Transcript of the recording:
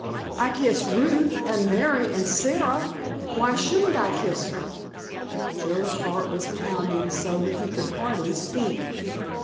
I kiss Ruth and Mary and Sara; why shouldn't I kiss her?" Joe's heart was pounding so he could hardly speak.